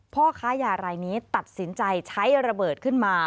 พ่อค้ายารายนี้ตัดสินใจใช้ระเบิดขึ้นมา